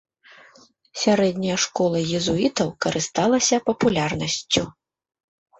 Сярэдняя школа езуітаў карысталася папулярнасцю.